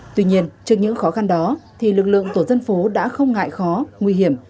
tuy nhiên trước những khó khăn đó thì lực lượng tổ dân phố đã không ngại khó nguy hiểm